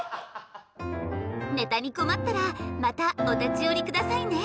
ネタに困ったらまたお立ち寄り下さいね。